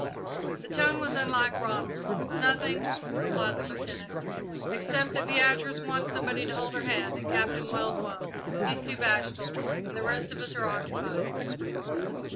The tone was unlike Ronald. "Nothing," replied the Lieutenant, "except that Beatrice wants somebody to hold her hand and Captain Wells won't. He's too bashful, and the rest of us are occupied."